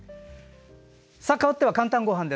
かわっては「かんたんごはん」。